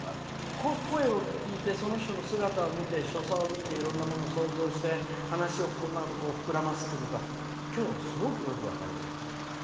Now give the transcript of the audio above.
声を聞いてその人の姿を見て所作を見ていろんなものを想像して話を心の中で膨らますんだって今日はすごくよく分かりました。